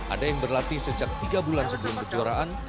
ada yang berlatih sejak tiga bulan sebelum kejuaraan